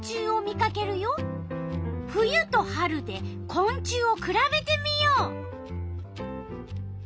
冬と春でこん虫をくらべてみよう。